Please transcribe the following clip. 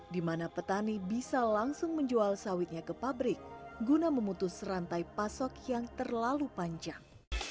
di mana petani bisa langsung menjual sawitnya ke pabrik guna memutus rantai pasok yang terlalu panjang